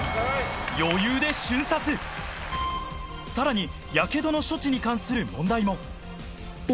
余裕で瞬殺さらにやけどの処置に関する問題もお！